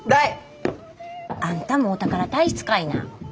あんたもお宝体質かいな。